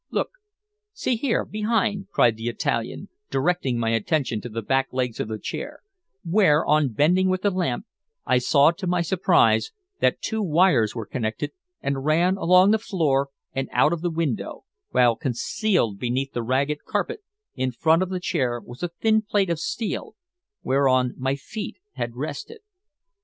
"Look! See here, behind!" cried the Italian, directing my attention to the back legs of the chair, where, on bending with the lamp, I saw, to my surprise, that two wires were connected, and ran along the floor and out of the window, while concealed beneath the ragged carpet, in front of the chair, was a thin plate of steel, whereon my feet had rested.